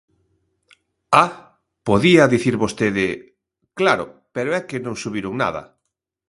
¡Ah!, podía dicir vostede: claro, pero é que non subiron nada.